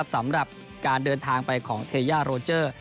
สำหรับการเดินทางไปของเทย่าโรเจอร์